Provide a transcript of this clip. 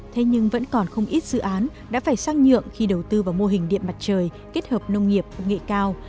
thế nhưng vẫn còn không ít dự án đã phải sang nhượng khi đầu tư vào mô hình điện mặt trời kết hợp nông nghiệp công nghệ cao